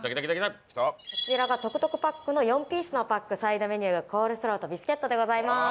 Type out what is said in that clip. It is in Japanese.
こちらがトクトクパックの４ピースのパックサイドメニューコールスローとビスケットでございます。